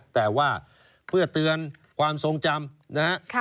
แต่ว่าเพื่อเตือนความทรงจำนะฮะ